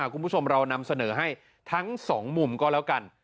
คุณผู้ชมเรานำเสนอให้ทั้งสองมุมก็แล้วกัน